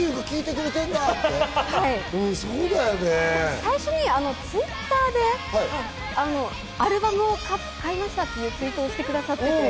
最初にＴｗｉｔｔｅｒでアルバムを買いましたというツイートしてくださって。